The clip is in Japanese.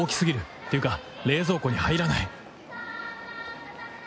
っていうか冷蔵庫に入らない